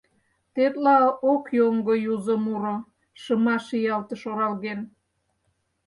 Тетла ок йоҥго юзо муро, Шыма шиялтыш оралген.